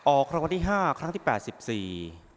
ออกคำวัติห้าครั้งที่แปดสิบสี่